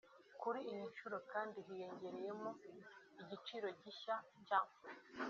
Kuri iyi nshuro kandi hiyongereyemo icyiciro gishya cya